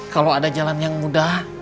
kalau ada jalan yang mudah